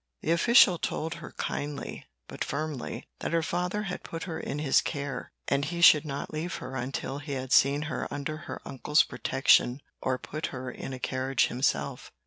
The official told her kindly, but firmly, that her father had put her in his care, and he should not leave her until he had seen her under her uncle's protection or put her in a carriage himself.